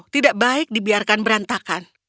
tidak baik dibiarkan berantakan